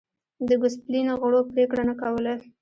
د ګوسپلین غړو پرېکړه نه کوله